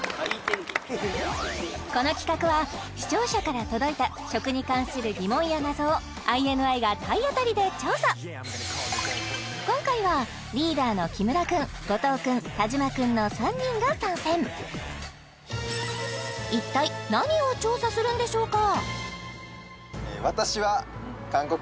この企画は視聴者から届いた今回はリーダーの木村君後藤君田島君の３人が参戦一体何を調査するんでしょうか？